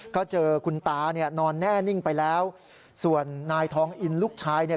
ก็เจอคุณตาเนี่ยนอนแน่นิ่งไปแล้วส่วนนายทองอินลูกชายเนี่ย